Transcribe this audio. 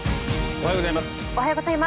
おはようございます。